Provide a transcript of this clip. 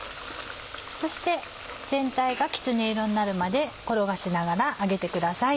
そして全体がきつね色になるまで転がしながら揚げてください